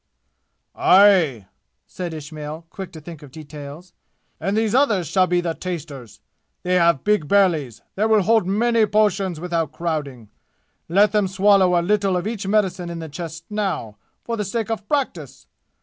"Aye!" said Ismail, quick to think of details, "and these others shall be the tasters! They have big bellies, that will hold many potions without crowding. Let them swallow a little of each medicine in the chest now, for the sake of practise!